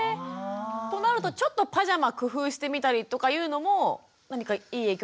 となるとちょっとパジャマ工夫してみたりとかいうのも何かいい影響になるかもしれないですかね？